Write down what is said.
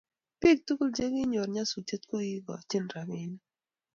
Pik tugul che kinyor nyasutet ko kikachin rapinik